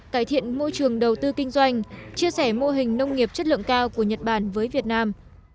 cải thiện môi trường đầu tư kinh doanh chia sẻ mô hình nông nghiệp chất lượng cao của nhật bản với việt nam